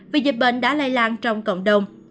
vì dịch bệnh đã lây lan trong cộng đồng